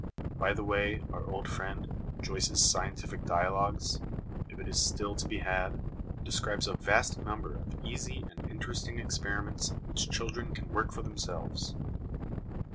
By the way, our old friend, Jcyce's Scientific Dialogues^ if it is still to be had, describes a vast number of easy and interesting ex periments which children can work for themselves.